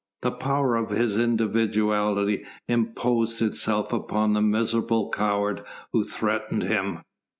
The power of his individuality imposed itself upon the miserable coward who threatened him.